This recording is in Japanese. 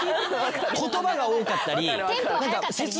言葉が多かったり。